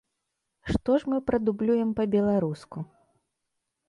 Што ж мы прадублюем па-беларуску.